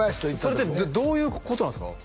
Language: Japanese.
それってどういうことなんですか？